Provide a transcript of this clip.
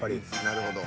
なるほど。